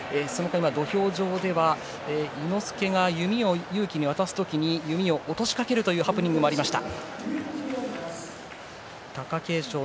土俵上では伊之助が弓を勇輝に渡す時に弓を落としかけるというハプニングがありました。